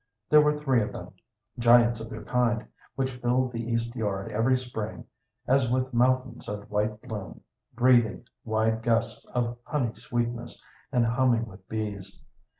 There were three of them, giants of their kind, which filled the east yard every spring as with mountains of white bloom, breathing wide gusts of honey sweetness, and humming with bees.